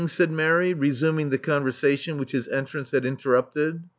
said Mary, resuming the conversation which his entrance had interrupted!